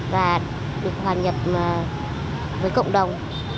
và được hòa nhập với cộng đồng